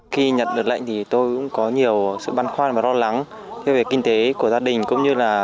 khi nhận được lệnh thì tôi cũng có nhiều sự băn khoăn và lo lắng về kinh tế của gia đình cũng như là